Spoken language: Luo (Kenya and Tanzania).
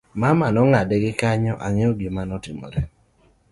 mama nong'ade gi kanyo, ang'eyo gima notimore